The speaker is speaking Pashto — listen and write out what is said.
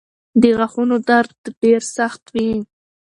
د غاښونو درد ډېر سخت وي.